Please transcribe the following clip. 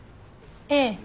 ええ。